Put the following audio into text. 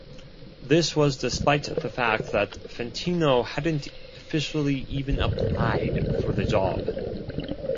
This was despite the fact that Fantino hadn't officially even applied for the job.